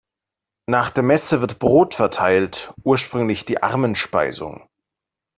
Nach der Messe wird Brot verteilt, ursprünglich die Armenspeisung.